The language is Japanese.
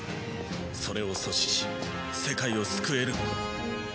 それを阻止し世界を救えるのは。